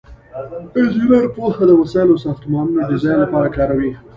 انجینر پوهه د وسایلو او ساختمانونو د ډیزاین لپاره کاروي.